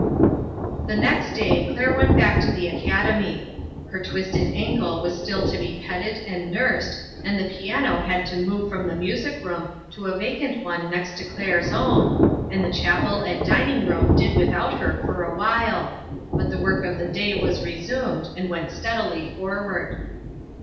The next day Claire went back to the Academy. Her twisted ankle was still to be petted and nursed, and the piano had to move from the music room to a vacant one next to Claire's own, and the chapel and dining room did without her for a while, but the work of the day was resumed, and went steadily forward.